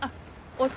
お茶